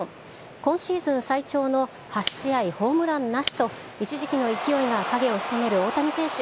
今シーズン最長の８試合ホームランなしと、一時期の勢いが影をひそめる大谷選手。